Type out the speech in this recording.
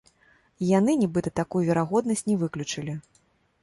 І яны, нібыта, такую верагоднасць не выключылі.